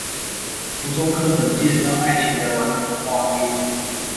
國中課本介紹愛情的完整畫面